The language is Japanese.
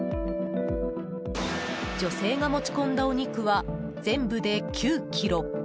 女性が持ちこんだお肉は全部で９ｋｇ。